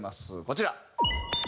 こちら。